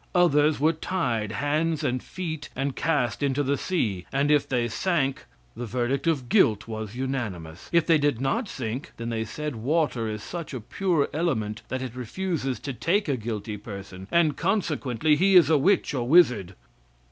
Others were tied hands and feet and cast into the sea, and if they sank, the verdict of guilt was unanimous; if they did not sink then they said water is such a pure element that it refuses to take a guilty person, and consequently he is a witch or wizard.